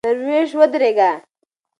درایش ودرېږه !!